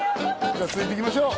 じゃあ続いていきましょう！